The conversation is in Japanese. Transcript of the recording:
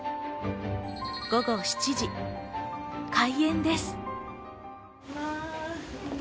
午後７時、開演です。